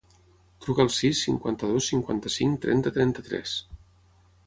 Truca al sis, cinquanta-dos, cinquanta-cinc, trenta, trenta-tres.